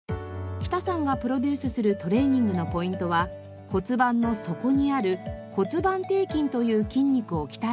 北さんがプロデュースするトレーニングのポイントは骨盤の底にある骨盤底筋という筋肉を鍛えるものです。